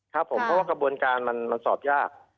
ครับผมเพราะว่ากระบวนการมันสอบยาก